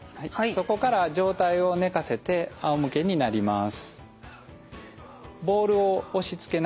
そこから上体を寝かせてあおむけになります。